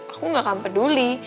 aku gak akan peduli